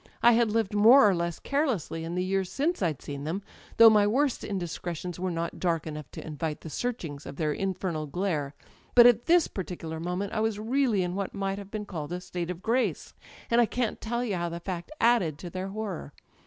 I had lived more or less carelessly in the years since I'd [ 265 ] Digitized byGoogk THE EYES seen them, though my worst indiscretions were not dark enough to invite the searchings of their infernal glare; but at this particular moment I was really in what might have been called a state of grace; and I can't tell you how the fact added to their horror